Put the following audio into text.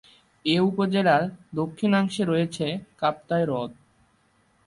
এ উপজেলার দক্ষিণাংশে রয়েছে কাপ্তাই হ্রদ।